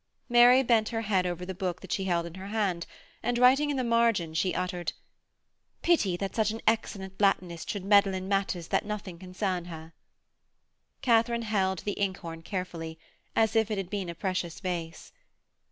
Mary bent her head over the book that she held in her hand, and writing in the margin, she uttered: 'Pity that such an excellent Latinist should meddle in matters that nothing concern her.' Katharine held the inkhorn carefully, as if it had been a precious vase.